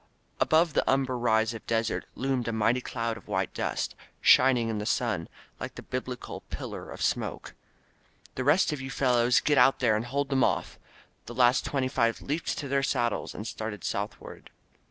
Above the umber rise of desert loomed a mighty cloud of white dust, shining in the sun, like the biblical pillar of smoke. The rest of you fellows get out there and hold them off !" The last twenty five leaped to their saddles and started southward.